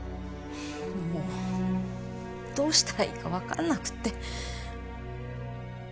もうどうしたらいいかわからなくて。